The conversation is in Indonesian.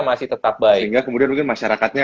masih tetap baik ya kemudian mungkin masyarakatnya